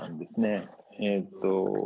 えっと